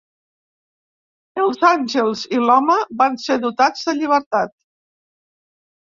Els àngels i l'home van ser dotats de llibertat.